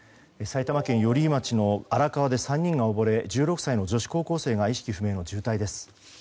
埼玉県寄居町の荒川で３人が溺れ１６歳の女子高校生が意識不明の重体です。